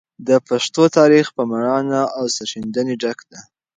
د پښتنو تاریخ په مړانه او سرښندنې ډک دی.